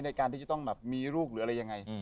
ในการที่จะต้องแบบมีลูกหรืออะไรยังไง